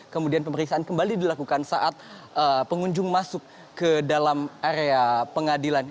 kemudian pemeriksaan kembali dilakukan saat pengunjung masuk ke dalam area pengadilan